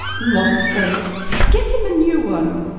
Nonsense! Get him a new one.